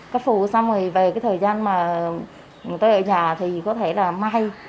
cắt phủ xong rồi về cái thời gian mà tôi ở nhà thì có thể là may